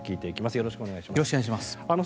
よろしくお願いします。